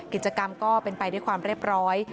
กิจกรรมก็เป็นไปด้วยความเรียบร้อย